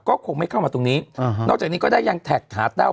ก็คงไม่เข้ามาตรงนี้นอกจากนี้ก็ได้ยังแท็กหาแต้ว